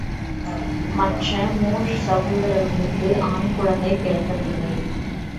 மற்ற மூன்று சகோதரர்களுக்கு ஆண் குழந்தை பிறக்கவில்லை.